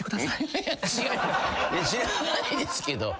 知らないですけど。